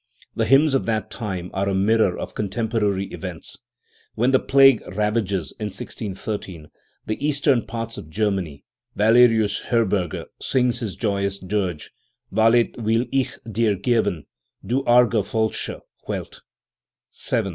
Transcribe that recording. The hymns of that time are a mirror of contemporary events. When the plague ravages, in 1613, the eastern parts of Germany, Valerius Hcrberger sings his joyous dirge < Valet will ich dir geben, du arge falsche Welt" (VII.